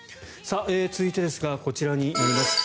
続いてですがこちらになります。